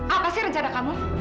apa sih rencana kamu